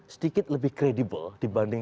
sedikit lebih kredibel dibanding